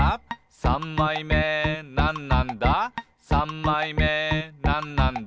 「さんまいめなんなんだ？